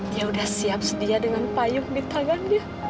dia udah siap sedia dengan payungnya